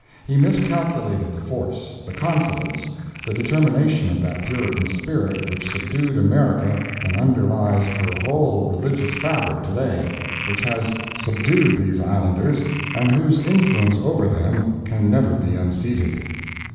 He miscalculated the force, the confidence, the determination of that Puritan spirit which subdued America and underlies her whole religious fabric to day—which has subdued these islanders, and whose influence over them can never be unseated.